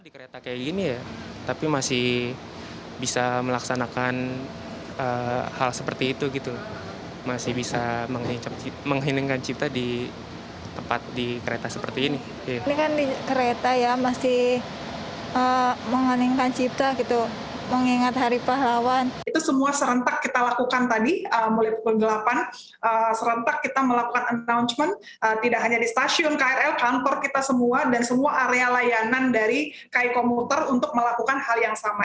kampor kita semua dan semua area layanan dari kai komuter untuk melakukan hal yang sama